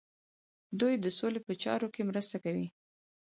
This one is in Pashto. دوی د سولې په چارو کې مرسته کوي.